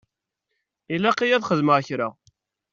Ilaq-iyi ad xedmeɣ kra.